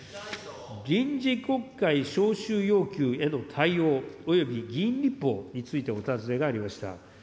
臨時国会召集要求への対応及び議員立法についてお尋ねがありました。